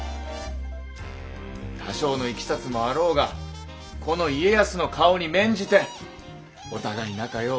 多少のいきさつもあろうがこの家康の顔に免じてお互い仲良う